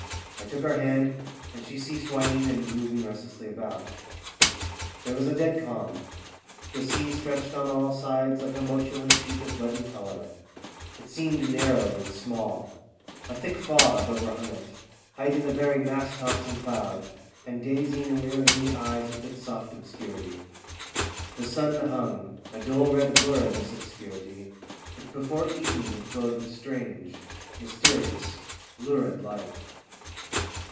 I took her hand, and she ceased whining and moving restlessly about. There was a dead calm. The sea stretched on all sides like a motionless sheet of leaden colour. It seemed narrowed and small ; a thick fog overhung it, hiding the very mast tops in 317 POEMS IN PROSE cloud, and dazing and wearying the eyes with its soft obscurity. The sun hung, a dull red blur in this obscurity ; but before evening it glowed with strange, mysterious, lurid light.